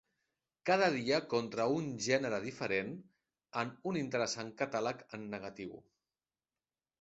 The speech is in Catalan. Cada dia contra un gènere diferent, en un interessant catàleg en negatiu.